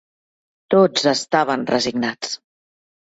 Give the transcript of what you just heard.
Tots estaven resignats